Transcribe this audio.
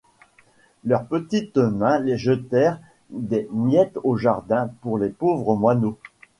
Leurs petites mains jetèrent des miettes au jardin pour les pauvres moineaux.